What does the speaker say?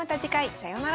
さようなら。